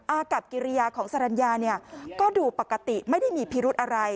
อากับกิริยาของสรรญาเนี่ยก็ดูปกติไม่ได้มีพิรุธอะไร